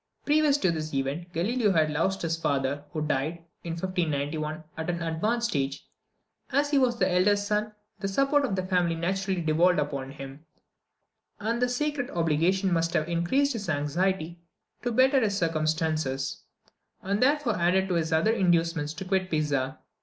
Previous to this event, Galileo had lost his father, who died, in 1591, at an advanced age. As he was the eldest son, the support of the family naturally devolved upon him; and this sacred obligation must have increased his anxiety to better his circumstances, and therefore added to his other inducements to quit Pisa.